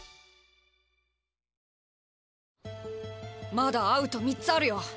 まだアウト３つあるよ！